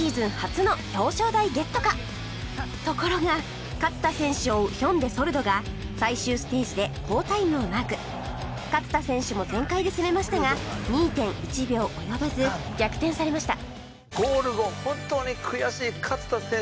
ところが勝田選手を追うヒョンデソルドが最終ステージで好タイムをマーク勝田選手も全開で攻めましたが ２．１ 秒及ばず逆転されました